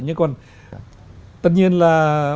nhưng còn tất nhiên là